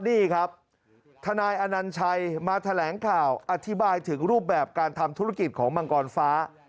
นี่ครับทนายอนัญชัยมาแถลงข่าวอธิบายถึงรูปแบบการทำธุรกิจของมังกรฟ้า